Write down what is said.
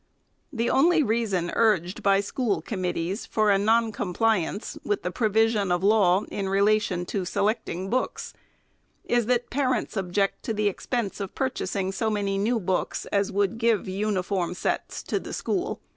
The only reason urged by school committees for a non compliance with the provision of law in relation to selecting books, is, that parents object to the expense of purchasing so many new books as would give uniform sets to the school.